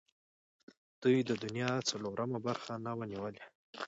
دوی د دنیا څلورمه برخه نه وه نیولې.